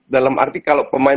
dalam arti kalau pemain